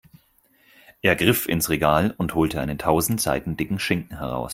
Er griff ins Regal und holte einen tausend Seiten dicken Schinken heraus.